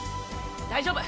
大丈夫。